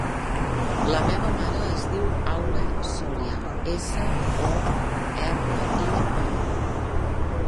La meva mare es diu Aura Soria: essa, o, erra, i, a.